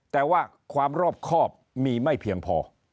แต่ว่าความรอบครอบมีไม่เพียงพอ